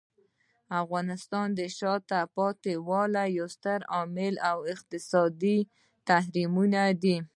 د افغانستان د شاته پاتې والي یو ستر عامل اقتصادي تحریمونه دي.